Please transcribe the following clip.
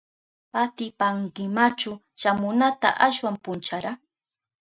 ¿Atipankimachu shamunata ashwan punchara?